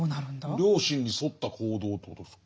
良心に沿った行動ということですか？